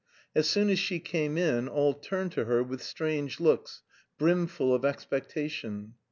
As soon as she came in, all turned to her with strange looks, brimful of expectation.